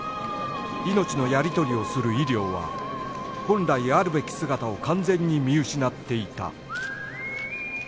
命のやり取りをする医療は本来あるべき姿を完全に見失っていた